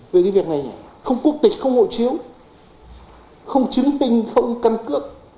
về cái việc này không quốc tịch không hộ chiếu không chứng minh không căn cước